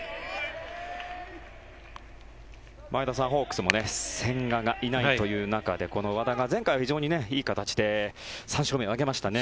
前田さん、ホークスも千賀がいないという中でこの和田が前回は非常にいい形で３勝目を挙げましたね。